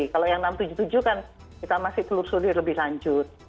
kalau yang enam ratus tujuh puluh tujuh kan kita masih telusuri lebih lanjut